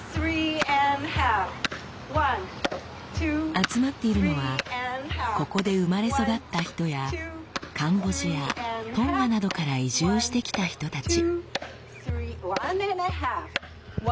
集まっているのはここで生まれ育った人やカンボジアトンガなどから移住してきた人たち。